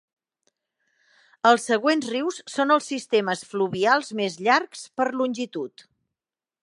Els següents rius són els sistemes fluvials més llargs, per longitud.